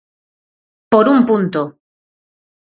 Por un punto.